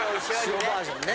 塩バージョンね。